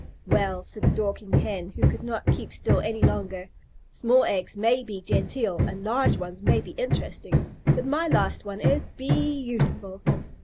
"Well," said the Dorking Hen, who could not keep still any longer, "small eggs may be genteel and large ones may be interesting, but my last one is bee autiful."